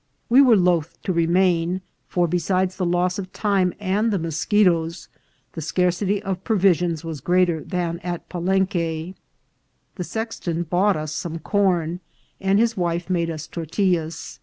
We were loth to re main, for, besides the loss of time and the moschetoes, the scarcity of provisions was greater than at Palenque. The sexton bought us some corn, and his wife made us tortillas.